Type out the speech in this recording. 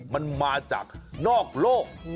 มันมาจากนอกโลก